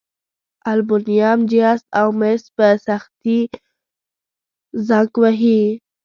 المونیم، جست او مس په سختي زنګ وهي.